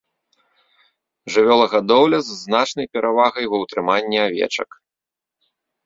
Жывёлагадоўля з значнай перавагай ва ўтрыманні авечак.